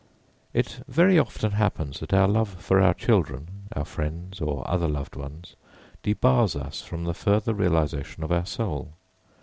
It very often happens that our love for our children, our friends, or other loved ones, debars us from the further realisation of our soul.